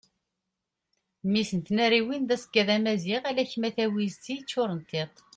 mmi-s n tnariwin d aseggad amaziɣ ala kem a tawizet i d-yeččuren tiṭ